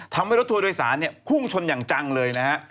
ทำให้รถทัวร์โดยสารเนี่ยพุ่งชนอย่างจังเลยนะฮะ